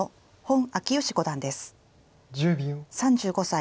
３５歳。